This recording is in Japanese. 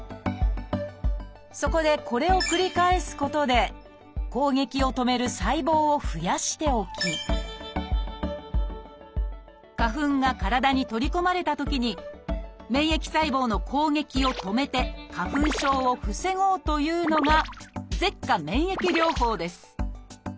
そこでこれを繰り返すことで攻撃を止める細胞を増やしておき花粉が体に取り込まれたときに免疫細胞の攻撃を止めて花粉症を防ごうというのが「舌下免疫療法」です。